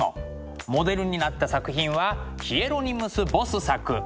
モデルになった作品はヒエロニムス・ボス作「快楽の園」です。